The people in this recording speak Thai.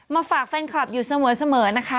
ฝากแฟนคลับอยู่เสมอนะคะ